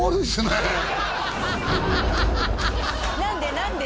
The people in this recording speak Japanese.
「何で？